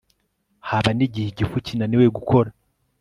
Haba nigihe igifu kinaniwe gukora